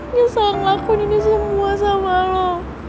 ngesel ngelakuin ini semua sama lo